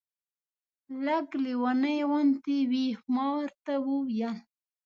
لږ لېونۍ غوندې وې. ما ورته وویل.